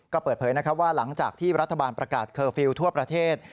ก็เปิดเผยนะครับว่าหลังจากที่รัฐบาลประกาศเคอร์ฟิลล์ทั่วประเทศ